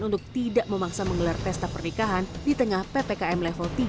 untuk tidak memaksa mengelar testa pernikahan di tengah ppkm level tiga dan empat